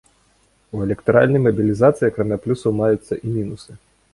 У электаральнай мабілізацыі акрамя плюсаў маюцца і мінусы.